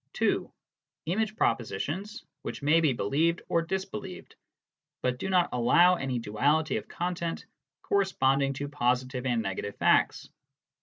(2) Image propositions, which may be believed or disbelieved but do not allow any duality of content corresponding to positive and negative facts.